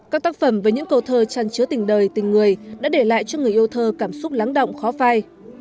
các tác phẩm với những câu thơ trăn trứa tình đời tình người đã để lại cho người yêu thơ cảm xúc lắng động khó phai